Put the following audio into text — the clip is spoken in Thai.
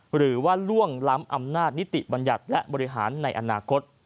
ล่วงล้ำอำนาจนิติบัญญัติและบริหารในอนาคต